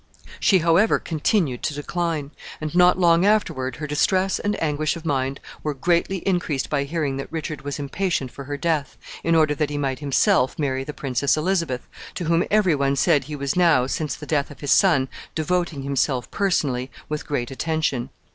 She, however, continued to decline; and not long afterward her distress and anguish of mind were greatly increased by hearing that Richard was impatient for her death, in order that he might himself marry the Princess Elizabeth, to whom every one said he was now, since the death of his son, devoting himself personally with great attention.